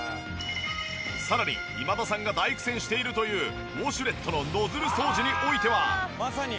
さらに今田さんが大苦戦しているというウォシュレットのノズル掃除においては。